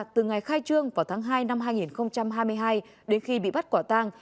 từ ngày khai trương vào tháng hai năm hai nghìn hai mươi hai đến khi bị bắt quả tang